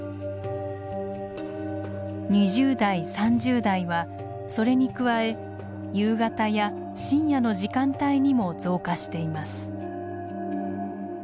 ２０代３０代はそれに加え夕方や深夜の時間帯にも増加しています。